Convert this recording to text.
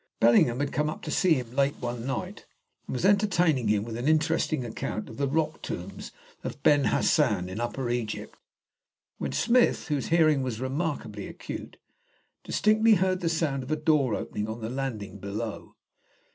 Bellingham had come up to see him late one night, and was entertaining him with an interesting account of the rock tombs of Beni Hassan in Upper Egypt, when Smith, whose hearing was remarkably acute, distinctly heard the sound of a door opening on the landing below.